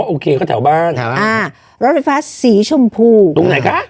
โอเคก็แถวบ้านอ่ารถไฟฟ้าสีชมพูตรงไหนคะ